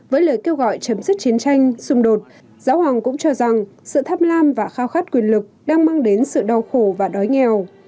với lời kêu gọi chấm dứt chiến tranh xung đột giáo hoàng cũng cho rằng sự tham lam và khao khát quyền lực đang mang đến sự đau khổ và đói nghèo